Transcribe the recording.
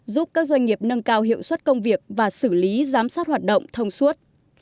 giúp các doanh nghiệp nâng cao hiệu suất công việc và xử lý giám sát hoạt động thông suốt